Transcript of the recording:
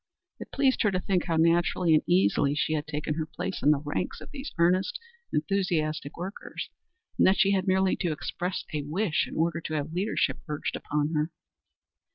It pleased her to think how naturally and easily she had taken her place in the ranks of these earnest, enthusiastic workers, and that she had merely to express a wish in order to have leadership urged upon her.